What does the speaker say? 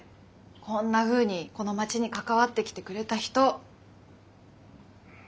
こんなふうにこの町に関わってきてくれた人。